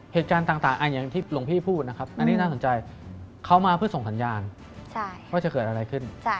เหตุการณ์ต่างอย่างที่หลวงพี่พูดนะครับอันนี้น่าสนใจเขามาเพื่อส่งสัญญาณว่าจะเกิดอะไรขึ้น